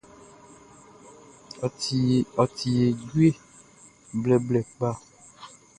Ɔ tie djue blɛblɛblɛ kpa.